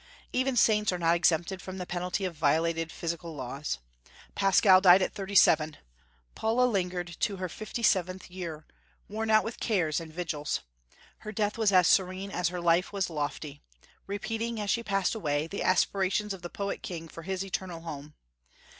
Even saints are not exempted from the penalty of violated physical laws. Pascal died at thirty seven. Paula lingered to her fifty seventh year, worn out with cares and vigils. Her death was as serene as her life was lofty; repeating, as she passed away, the aspirations of the prophet king for his eternal home.